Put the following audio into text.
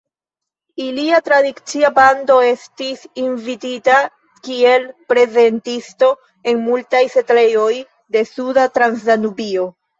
Ilia "tradicia bando" estis invitita kiel prezentisto en multaj setlejoj de Suda Transdanubio.